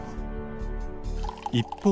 一方。